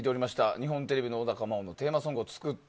日本テレビ、小高茉緒でテーマソングを作って。